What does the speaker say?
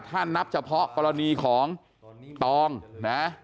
ถ้านับเฉพาะกรณีของตองนะ